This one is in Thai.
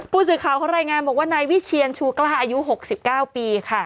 ผู้สื่อข่าวเขารายงานบอกว่านายวิเชียนชูกล้าอายุ๖๙ปีค่ะ